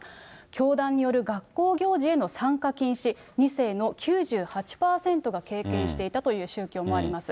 教団による学校行事への参加禁止、２世の９８％が経験していたという宗教もあります。